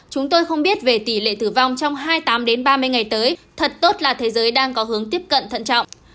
chúng tôi không biết về tỷ lệ tử vong trong hai mươi tám ba mươi ngày tới thật tốt là thế giới đang có hướng tiếp cận thận trọng